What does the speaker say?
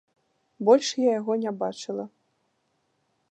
Больш я яго не бачыла.